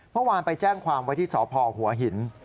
เมื่อวานไปแจ้งความไว้ที่สพหัวหิน